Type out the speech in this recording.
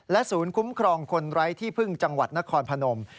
ศูนย์คุ้มครองคนไร้ที่พึ่งจังหวัดนครพนม